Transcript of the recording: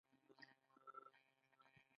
ښوروا له هوږې سره تندهوره بوی لري.